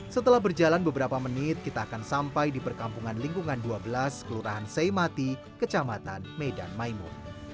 setelah berjalan beberapa menit kita akan sampai di perkampungan lingkungan dua belas kelurahan seimati kecamatan medan maimun